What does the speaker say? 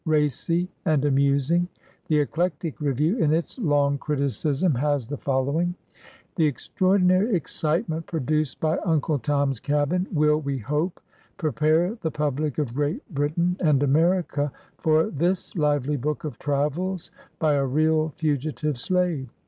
"racy and amusing." The Eclectic Review, in its long criticism, has the following: — "The extraordi nary excitement produced by ' Uncle Tonr s Cabin ' will, we hope, prepare the public of Great Britain and America for this lively book of travels by a real fugi tive slave.